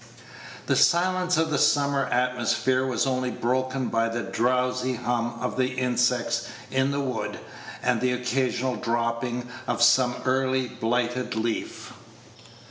The silence of the summer atmosphere was only broken by the drowsy hum of the insects in the wood, and the occasional dropping of some early blighted leaf.